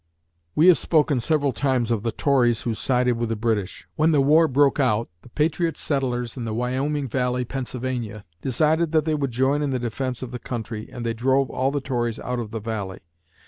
We have spoken several times of the Tories who sided with the British. When the war broke out, the patriot settlers in the Wyoming Valley, Pennsylvania, decided they would join in the defense of the country and they drove all the Tories out of the Valley.